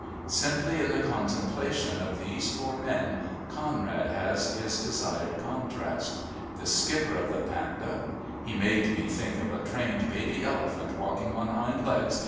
Simply in the contemplation of these four men Conrad has his desired contrast; the skipper of the Patna: "He made me think of a trained baby elephant walking on hind legs.